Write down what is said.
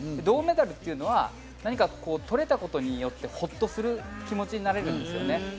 銅メダルというのは、何か取れたことによってホッとする気持ちになれるんですね。